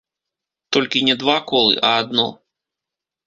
Толькі не два колы, а адно.